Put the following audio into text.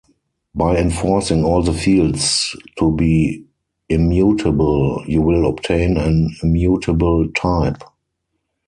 By enforcing all the fields to be immutable, you will obtain an immutable type.